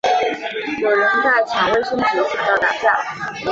有人在抢卫生纸抢到打架